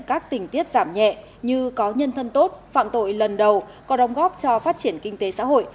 các tình tiết giảm nhẹ như có nhân thân tốt phạm tội lần đầu có đồng góp cho phát triển kinh tế xã hội